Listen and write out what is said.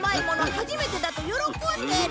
初めてだと喜んでる。